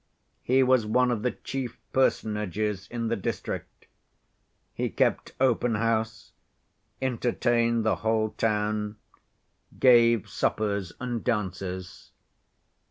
He was one of the chief personages in the district. He kept open house, entertained the whole town, gave suppers and dances.